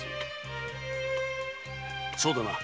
そうだな。